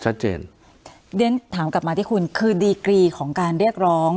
ชัดเจนเดี๋ยวถามกลับมาที่คุณคือของการเรียกร้อง